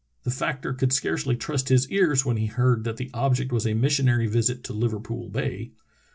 The factor could scarcely trust his ears when he heard that the object was a missionary visit to Liverpool Bay.